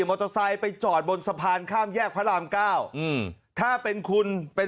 มอเตอร์ไซค์ไปจอดบนสะพานข้ามแยกพระรามเก้าอืมถ้าเป็นคุณเป็น